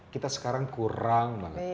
kita sekarang kurang banget